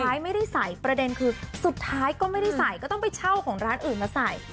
ไม่ได้ใส่ประเด็นคือสุดท้ายก็ไม่ได้ใส่ก็ต้องไปเช่าของร้านอื่นมาใส่